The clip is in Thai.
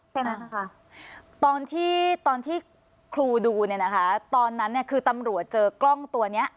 ประมาณค่ะตอนที่ตอนที่ครูดูเนี่ยนะคะตอนนั้นเนี่ยคือตำรวจเจอกล้องตัวเนี้ย